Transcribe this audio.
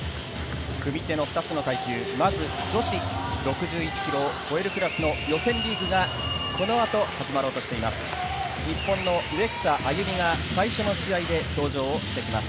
組み手の２つの階級、まず女子６１ｋｇを超えるクラスの予選リーグが、この後始まろうとしています。